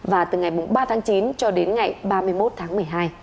và từ ngày ba tháng chín cho đến ngày ba mươi một tháng một mươi hai